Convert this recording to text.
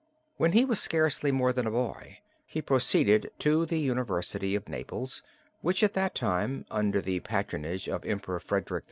When he was scarcely more than a boy he proceeded to the University of Naples, which at that time, under the patronage of the Emperor Frederick II.